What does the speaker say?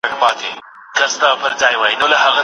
زده کړه باید د ژوند تر پایه دوام وکړي.